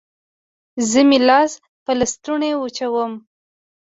زه مې لاس په لاسوچوني وچوم